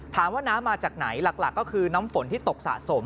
น้ำมาจากไหนหลักก็คือน้ำฝนที่ตกสะสม